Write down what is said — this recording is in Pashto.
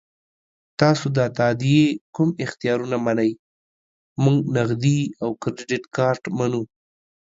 تاسو د تادیې کوم اختیارونه منئ؟ موږ نغدي او کریډیټ کارت منو.